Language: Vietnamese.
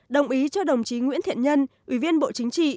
đồng ý cho đồng chí nguyễn thiện nhân ủy viên bộ chính trị